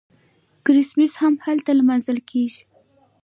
کریسمس هم هلته لمانځل کیږي.